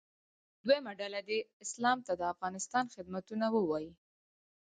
دویمه ډله دې اسلام ته د افغانستان خدمتونه ووایي.